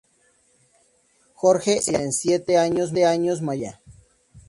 Jorge era diecisiete años mayor que ella.